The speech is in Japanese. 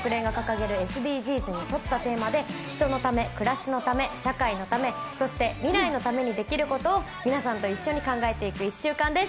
ＳＤＧｓに沿ったテーマで、人のため、暮らしのため、そして未来のためにできることを皆さんと一緒に考えていく１週間です。